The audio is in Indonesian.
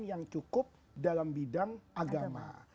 yang cukup dalam bidang agama